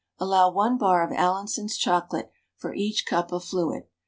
Allow 1 bar of Allinson's chocolate for each cup of fluid.